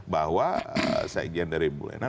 bahwa sekjen dari bu enan